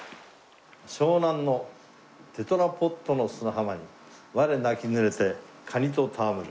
「湘南のテトラポットの砂浜に我なき濡れてカニとたわむる」。